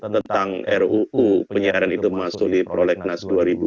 tentang ruu penyiaran itu masuk di prolegnas dua ribu dua puluh satu